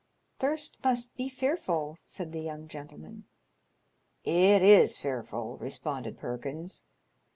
" Thirst must be fearful," said the young gentleman. " It is fearful," responded Perkins.